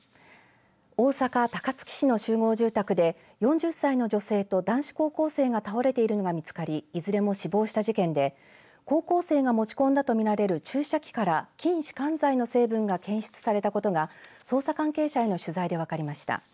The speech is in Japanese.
大阪、高槻市の集合住宅で４０歳の女性と男子高校生が倒れているのが見つかりいずれも死亡した事件で高校生が持ち込んだとみられる注射器から筋しかん剤の成分が検出されたことが捜査関係者への取材で分かりました。